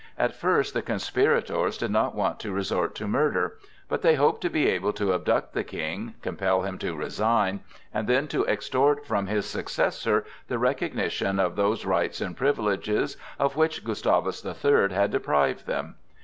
At first the conspirators did not want to resort to murder, but they hoped to be able to abduct the King, compel him to resign, and then to extort from his successor the recognition of those rights and privileges of which Gustavus the Third had deprived them.